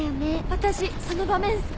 私その場面好き。